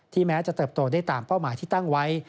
แม้จะเติบโตได้ตามเป้าหมายที่ตั้งไว้